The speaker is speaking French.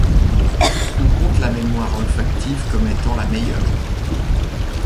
On compte la mémoire olfactive comme étant la meilleure.